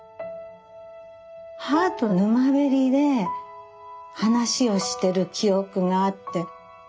母と沼べりで話をしてる記憶があって。